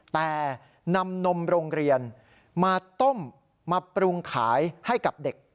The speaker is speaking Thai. แต่นำนมโรงเรียนมาต้มมาปรุงขายให้กับเด็ก